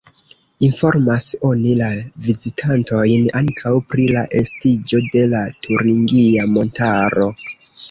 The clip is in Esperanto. Informas oni la vizitantojn ankaŭ pri la estiĝo de la turingia montaro.